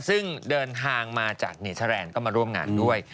ซึ่งเดินทางมาจากเนเทอร์แลนด์ก็มาร่วมงานด้วย